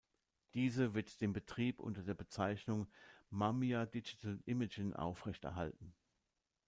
Diese wird den Betrieb unter der Bezeichnung Mamiya Digital Imaging aufrechterhalten.